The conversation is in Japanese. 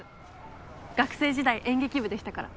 学生時代演劇部でしたから。